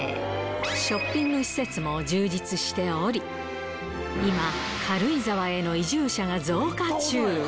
ショッピング施設も充実しており、今、軽井沢への移住者が増加中。